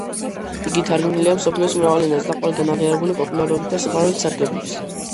იგი თარგმნილია მსოფლიოს მრავალ ენაზე და ყველგან აღიარებული პოპულარობით და სიყვარულით სარგებლობს.